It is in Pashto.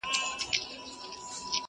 چوپتيا تر ټولو درنه ښکاري ډېر،